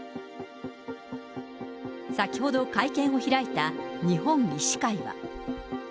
先ほど、会見を開いた日本医師会は。